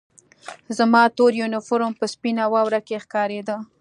زما تور یونیفورم په سپینه واوره کې ښکارېده